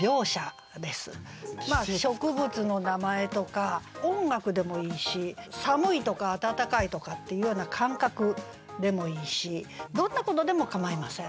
植物の名前とか音楽でもいいし寒いとか暖かいとかっていうような感覚でもいいしどんなことでもかまいません。